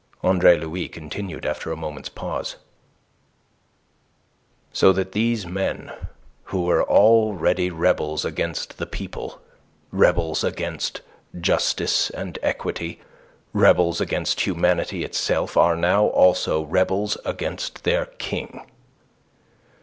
Andre Louis continued after a moment's pause: "So that these men who were already rebels against the people, rebels, against justice and equity, rebels against humanity itself, are now also rebels against their King.